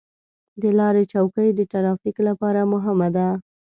د لارې چوکۍ د ترافیک لپاره مهمه ده.